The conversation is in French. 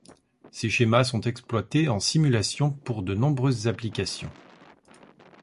Ces schémas sont exploités en simulation pour de nombreuses applications.